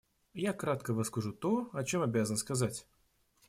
Я кратко выскажу то, о чем обязан сказать.